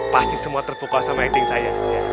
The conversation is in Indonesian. pasti semua terpukau sama acting saya